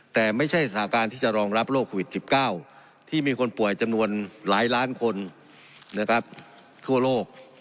แต่ไม่ใช่สถานการณ์ที่จะรองรับโรคโควิด๑๙ที่มีคนป่วยจำนวนหลายล้านคนนะครับทั่วโลก